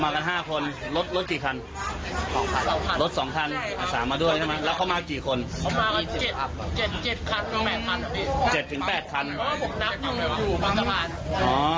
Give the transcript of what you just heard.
เขาเนี่ยเร็วเรารองไปไหนกันมา